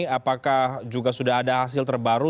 apakah juga sudah ada hasil terbaru